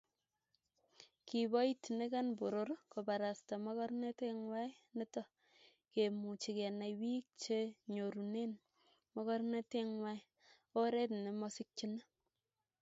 Kiboitinikan poror kobarasta mogornotetngwai nito kemuchi Kenai bik chenyorune mogornotetngwai oret nemo sikchini